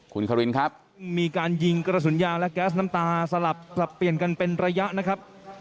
คุณคารินครับมีการยิงกระสุนยางและแก๊สน้ำตาสลับสับเปลี่ยนกันเป็นระยะนะครับ